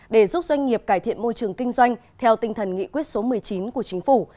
để giúp doanh nghiệp cải thiện môi trường kinh doanh theo tinh thần nghị quyết số một mươi chín của chính phủ